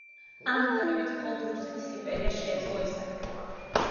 ამ უფლებით მხოლოდ რუსეთის იმპერიას შეეძლო ესარგებლა.